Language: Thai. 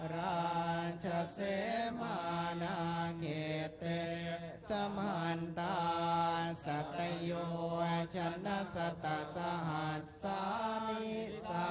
ราชเสมอนาเขตติสมันตาสัตยุชนะสัตตาสหัสสานิปัจเจกพุทธา